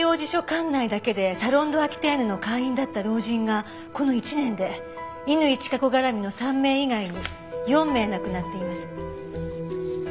管内だけでサロン・ド・アキテーヌの会員だった老人がこの１年で乾チカ子絡みの３名以外に４名亡くなっています。